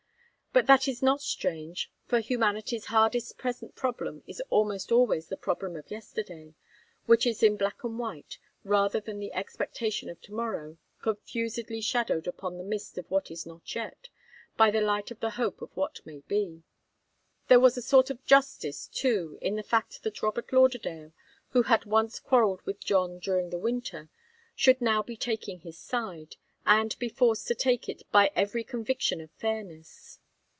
But that is not strange, for humanity's hardest present problem is almost always the problem of yesterday, which is in black and white, rather than the expectation of to morrow, confusedly shadowed upon the mist of what is not yet, by the light of the hope of what may be. There was a sort of justice, too, in the fact that Robert Lauderdale, who had once quarrelled with John during the winter, should now be taking his side, and be forced to take it by every conviction of fairness.